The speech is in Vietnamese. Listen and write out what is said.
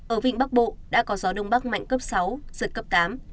ở vịnh bắc bộ đã có gió đông bắc mạnh cấp sáu giật cấp tám